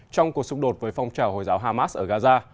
trong cuộc xung đột với phong trào hồi giáo hamas ở gaza